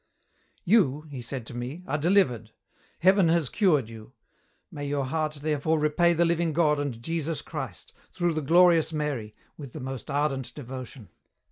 "'You,' he said to me, 'are delivered. Heaven has cured you. May your heart therefore repay the living God and Jesus Christ, through the glorious Mary, with the most ardent devotion.'